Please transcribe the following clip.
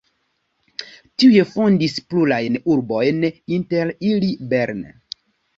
Tiuj fondis plurajn urbojn, inter ili Bern.